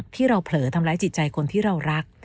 ที่เราเผลอทำร้ายจิตใจคนที่เรารัก